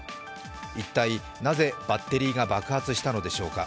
一体、なぜバッテリーが爆発したのでしょうか。